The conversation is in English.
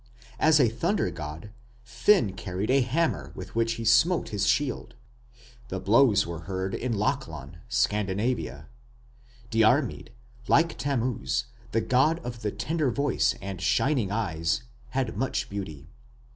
As a thunder god Finn carried a hammer with which he smote his shield; the blows were heard in Lochlann (Scandinavia). Diarmid, like Tammuz, the "god of the tender voice and shining eyes", had much beauty.